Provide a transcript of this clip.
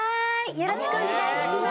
よろしくお願いします。